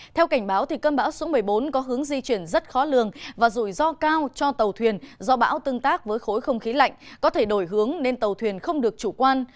theo cảnh báo cơn bão số một mươi bốn có hướng di chuyển rất khó lường và rủi ro cao cho tàu thuyền do bão tương tác với khối không khí lạnh có thể đổi hướng nên tàu thuyền không được chủ quan